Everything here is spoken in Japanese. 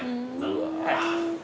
うわ。